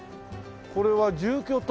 これは住居棟？